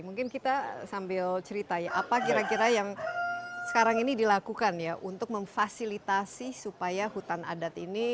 mungkin kita sambil cerita ya apa kira kira yang sekarang ini dilakukan ya untuk memfasilitasi supaya hutan adat ini